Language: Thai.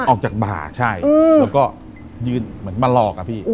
ออกจากบ่าใช่แล้วก็ยืนเหมือนมาหลอกอะพี่